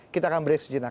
kita akan break sejenak